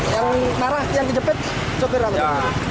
yang marah yang dijepit sopir apa